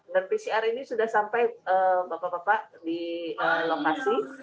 dan pcr ini sudah sampai bapak bapak di lokasi